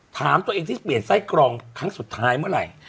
ถามตัวเองที่เปลี่ยนไส้กรองครั้งสุดท้ายเมื่อไหร่